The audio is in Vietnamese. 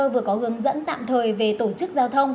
vừa có hướng dẫn tạm thời về tổ chức giao thông